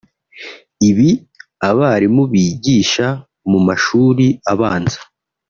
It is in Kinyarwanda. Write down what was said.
Ibi abarimu bigisha mu mashuri abanza